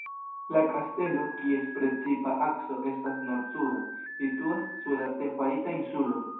La kastelo, kies precipa akso estas nord-suda, situas sur artefarita insulo.